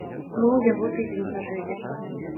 Мы ў яго тыдзень пажылі.